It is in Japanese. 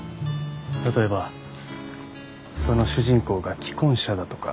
例えばその主人公が既婚者だとか。